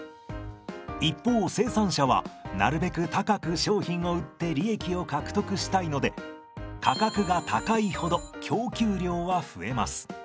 一方生産者はなるべく高く商品を売って利益を獲得したいので価格が高いほど供給量は増えます。